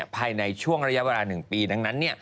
ภายในช่วงระยะเวลา๑ปีดังนั้น